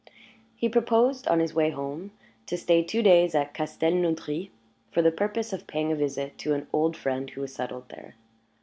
He proposed, on his way home, to stay two days at Castelnaudry, for the purpose of paying a visit to an old friend who was settled there.